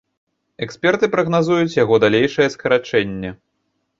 Эксперты прагназуюць яго далейшае скарачэнне.